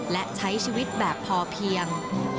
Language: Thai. และใช้ชีวิตแบบพอเพียง